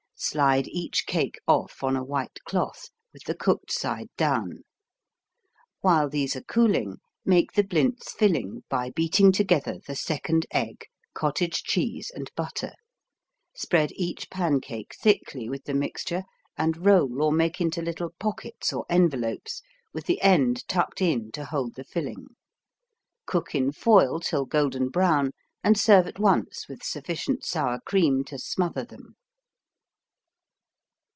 Slide each cake off on a white cloth, with the cooked side down. While these are cooling make the blintz filling by beating together the second egg, cottage cheese and butter. Spread each pancake thickly with the mixture and roll or make into little pockets or envelopes with the end tucked in to hold the filling. Cook in foil till golden brown and serve at once with sufficient sour cream to smother them.